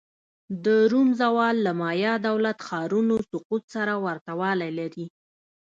د روم زوال له مایا دولت-ښارونو سقوط سره ورته والی لري